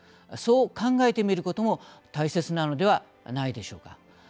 そう考えてみることも大切なのではないでしょうか。